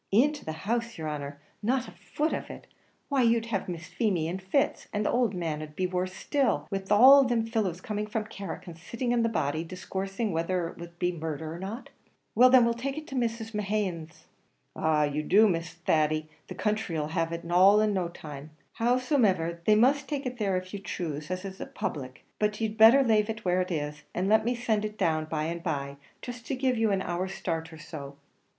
"Into the house, yer honer! not a foot of it! why, you'd have Miss Feemy in fits; and the owld man'd be worse still, wid all thim fellows coming from Carrick and sitting on the body, discoursing whether it wor to be murdher or not." "Well, then; we'll take it to Mrs. Mehan's." "Av you do, Mr. Thady, the country 'll have it all in no time. Howsomever, they must take it there if you choose, as it's a public; but you'd better lave it where it is, and let me send it down by and by jist to give you an hour's start or so."